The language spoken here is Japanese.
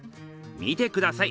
見てください